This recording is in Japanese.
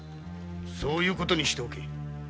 そういう事にしておけ。